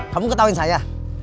kamu ketawain saya